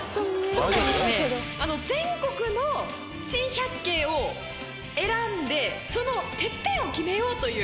今回ですね全国の珍百景を選んでそのてっぺんを決めようという。